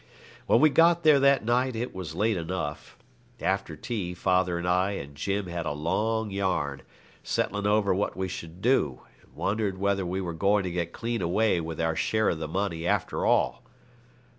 When we got there that night it was late enough. After tea father and I and Jim had a long yarn, settling over what we should do and wondering whether we were going to get clean away with our share of the money after all.